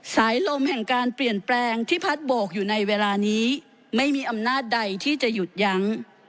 สายลมแห่งการเปลี่ยนแปลงที่พัดโบกอยู่ในเวลานี้ไม่มีอำนาจใดที่จะหยุดยั้ง